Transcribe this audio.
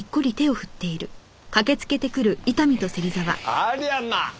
ありゃまあ